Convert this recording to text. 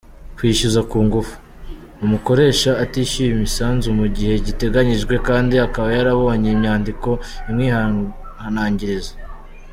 Kwishyuzwa ku ngufu: Umukoresha utishyuye imisanzu mu gihe giteganyijwe, kandi akaba yarabonye inyandiko imwihanangiriza.